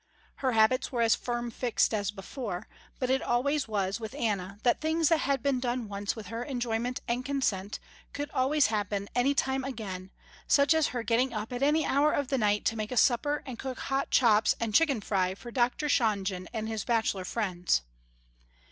Her habits were as firm fixed as before, but it always was with Anna that things that had been done once with her enjoyment and consent could always happen any time again, such as her getting up at any hour of the night to make a supper and cook hot chops and chicken fry for Dr. Shonjen and his bachelor friends.